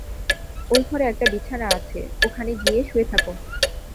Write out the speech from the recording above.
ঐ ঘরে একটা বিছানা আছে, ওখানে গিয়ে শুয়ে থাক।